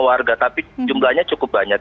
warga tapi jumlahnya cukup banyak